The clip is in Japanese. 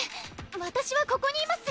私はここにいます。